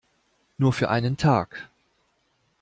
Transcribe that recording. Nur für einen Tag.